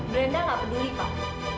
brenda gak peduli pak